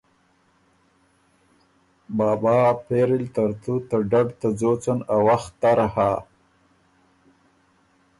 ”بابا پېری ل ترتُو ته ډډ ته ځوڅن ا وخت تر هۀ“